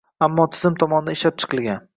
ammo tizim tomonidan ishlab chiqilgan